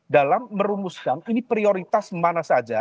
dalam merumuskan ini prioritas mana saja